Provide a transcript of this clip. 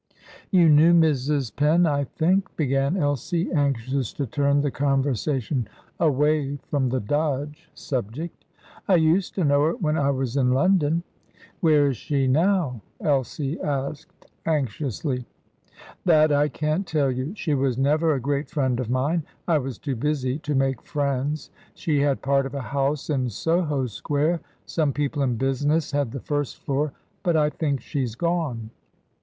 "You knew Mrs. Penn, I think?" began Elsie, anxious to turn the conversation away from the Dodge subject. "I used to know her when I was in London." "Where is she now?" Elsie asked anxiously. "That I can't tell you. She was never a great friend of mine. I was too busy to make friends. She had part of a house in Soho Square. Some people in business had the first floor. But I think she's gone."